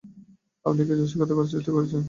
আপনি কি রসিকতা করার চেষ্টা করছেন?